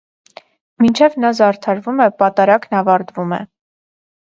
Մինչև նա զարդարվում է, պատարագն ավարտվում է։